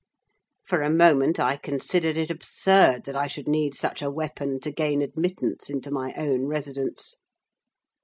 For a moment I considered it absurd that I should need such a weapon to gain admittance into my own residence.